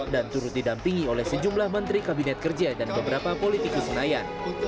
dan turut didampingi oleh sejumlah menteri kabinet kerja dan beberapa politikus senayan